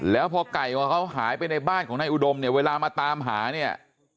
แล้วพอไก่ของเขาหายไปในบ้านของนายอุดมเนี่ยเวลามาตามหาเนี่ย